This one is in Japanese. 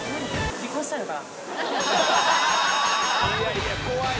離婚したいのかな？